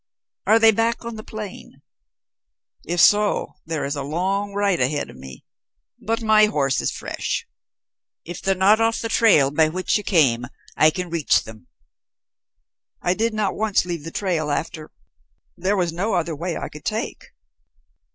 Are they back on the plain? If so, there is a long ride ahead of me, but my horse is fresh. If they are not off the trail by which you came, I can reach them." "I did not once leave the trail after there was no other way I could take."